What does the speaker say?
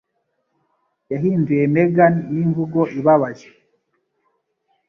Yahinduye Megan n'imvugo ibabaje.